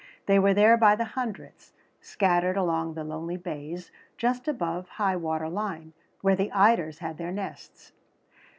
They were there by the hundreds, scattered along the lonely bays just above high water line, where the eiders had their nests.